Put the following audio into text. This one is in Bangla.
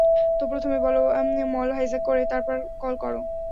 তো প্রথমে মল হাইজ্যাক করে তারপর কল কোরো।